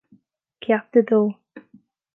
Ceacht a Dó